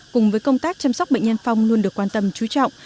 cùng với công tác chăm sóc bệnh nhân phong luôn được quan tâm trú trọng